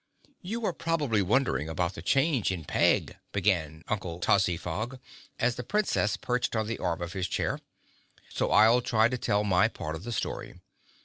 "You are probably wondering about the change in Peg," began Uncle Tozzyfog, as the Princess perched on the arm of his chair, "so I'll try to tell my part of the story.